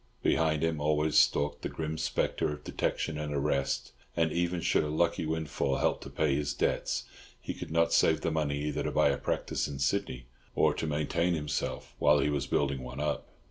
Behind him always stalked the grim spectre of detection and arrest; and, even should a lucky windfall help to pay his debts, he could not save the money either to buy a practice in Sydney or to maintain himself while he was building one up.